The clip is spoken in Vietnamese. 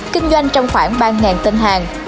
kinh doanh trong khoảng ba tên hàng